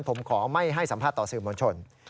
ผมขอไม่ให้สัมภาษณ์ต่อสื่อมวลชน